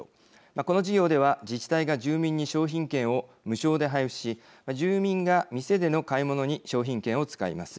この事業では自治体が住民に商品券を無償で配布し住民が店での買い物に商品券を使います。